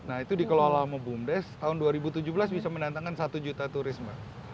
nah itu dikelola sama bumdes tahun dua ribu tujuh belas bisa mendatangkan satu juta turis mbak